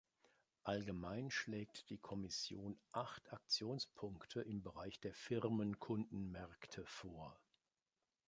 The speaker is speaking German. Allgemein schlägt die Kommission acht Aktionspunkte im Bereich der Firmenkundenmärkte vor.